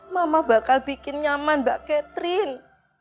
mama bakal bikin nyaman mbak catherine